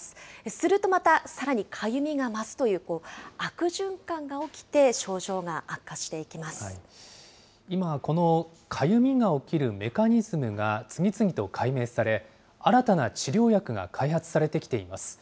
するとまたさらにかゆみが増すという、悪循環が起きて、今、このかゆみが起きるメカニズムが次々と解明され、新たな治療薬が開発されてきています。